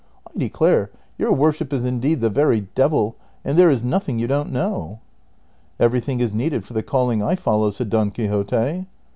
I declare your worship is indeed the very devil, and there is nothing you don't know." " Everytlung is needed for the calling I follow," said Don Quixote.